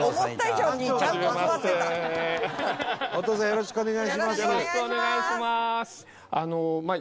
よろしくお願いします！